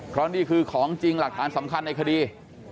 เพราะนี่คือของจริงหลักฐานสำคัญในคดี